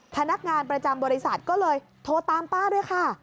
พนักงานประจำบริษัทก็เลยโทรตามป้าด้วยค่ะ